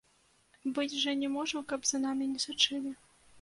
Быць жа не можа, каб за намі не сачылі.